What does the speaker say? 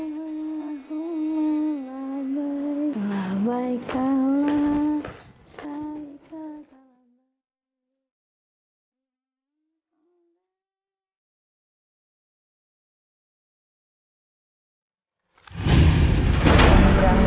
bagaimana kita bisa membuatnya